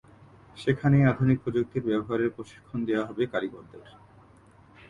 সেখানেই আধুনিক প্রযুক্তির ব্যবহারের প্রশিক্ষণ দেওয়া হবে কারিগরদের।